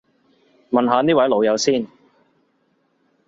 問下呢位老友先